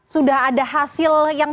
sudah ada hasil yang